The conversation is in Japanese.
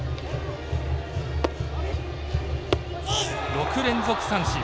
６連続三振。